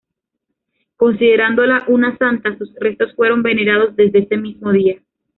Considerándola una santa, sus restos fueron venerados desde ese mismo día.